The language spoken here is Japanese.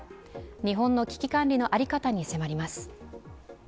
日本の危機管理の在り方に迫ります。